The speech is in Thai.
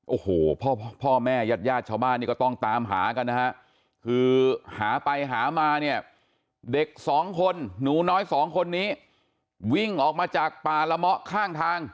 โอ้โหพ่อแม่ญาติชาวบ้านก็ต้องตามหากันนะฮะ